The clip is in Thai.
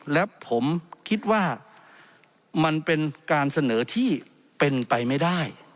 และผมคิดว่ามันเป็นการเสนอที่เป็นไปไม่ได้